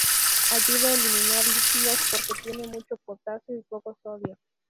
Ayuda a eliminar líquidos porque tiene mucho potasio y poco sodio.